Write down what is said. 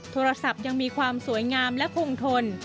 โทรศัพท์ยังมีความสวยงามและคงทน